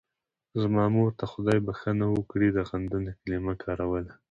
زما مور ته خدای بښنه وکړي د غندنې کلمه کاروله.